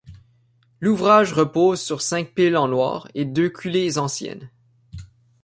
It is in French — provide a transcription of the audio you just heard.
L’ouvrage repose sur cinq piles en Loire et deux culées anciennes.